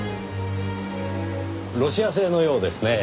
ロシア製のようですねぇ。